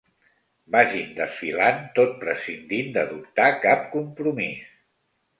Vagin desfilant tot prescindint d'adoptar cap compromís.